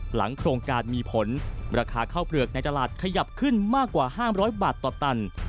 โครงการมีผลราคาข้าวเปลือกในตลาดขยับขึ้นมากกว่า๕๐๐บาทต่อตัน